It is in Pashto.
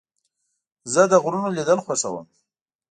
زه د غرونو لیدل خوښوم.